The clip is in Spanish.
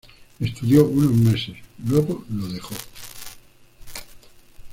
Estudio unos meses, luego dejó.